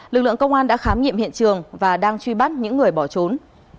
lực lượng công an đã khám nghiệm hiện trường và đang truy bắt những người bỏ trốn